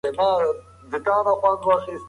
منزل ته به ورسیږئ.